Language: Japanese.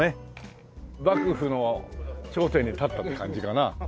幕府の頂点に立った感じかな。